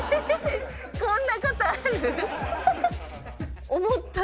こんなことある？